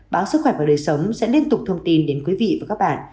báo sức khỏe và đời sống sẽ liên tục thông tin đến quý vị và các bạn